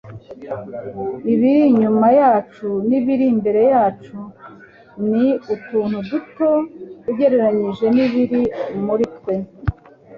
Ibiri inyuma yacu n'ibiri imbere yacu ni utuntu duto ugereranije n'ibiri muri twe.”